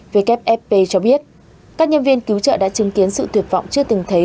wfp cho biết các nhân viên cứu trợ đã chứng kiến sự tuyệt vọng chưa từng thấy